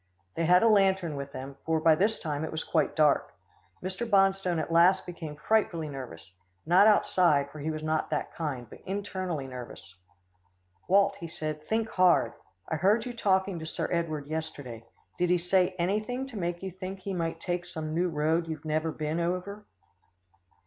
They had a lantern with them, for by this time it was quite dark. Mr. Bonstone at last became frightfully nervous, not outside, for he was not that kind, but internally nervous. "Walt," he said, "think hard. I heard you talking to Sir Edward yesterday. Did he say anything to make you think he might take some new road you'd never been over?"